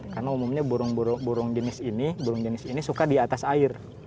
karena umumnya burung jenis ini suka di atas air